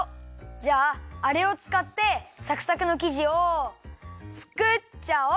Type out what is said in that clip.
じゃああれをつかってサクサクのきじをつくっちゃおう！